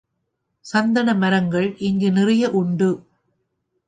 சந்தன மரங்கள் இங்கு நிறைய உண்டு.